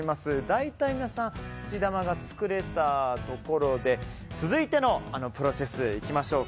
大体皆さん土玉が作れたところで続いてのプロセスにいきましょう。